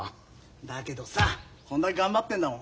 だけどさこんだけ頑張ってんだもん